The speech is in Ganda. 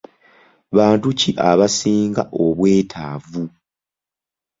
Bantu ki abasinga obwetaavu?